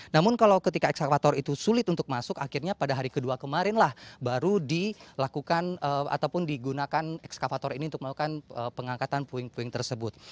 namun kalau ketika ekskavator itu sulit untuk masuk akhirnya pada hari kedua kemarinlah baru dilakukan ataupun digunakan ekskavator ini untuk melakukan pengangkatan puing puing tersebut